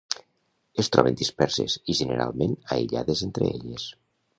Es troben disperses i generalment aïllades entre elles.